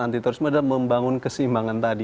antitorisme adalah membangun keseimbangan tadi